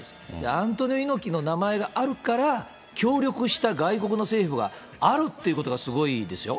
アントニオ猪木の名前があるから、協力した外国の政府があるっていうことがすごいですよ。